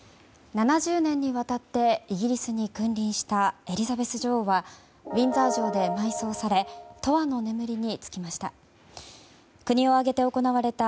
７０年にわたってイギリスに君臨したエリザベス女王はウィンザー城で埋葬されとわの眠りにつきました。